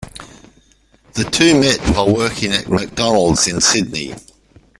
The two met while working at McDonald's in Sydney.